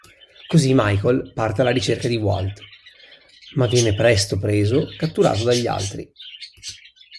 Così Michael parte alla ricerca di Walt, ma viene presto preso catturato dagli Altri.